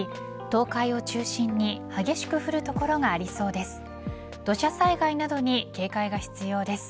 東海を中心に激しく降る所がありそうです。